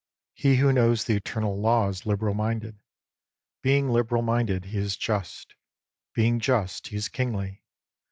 He who knows the eternal law is liberal minded. Being liberal minded, he is just. Being just, he is kingly.